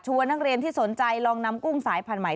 นักเรียนที่สนใจลองนำกุ้งสายพันธุ์ใหม่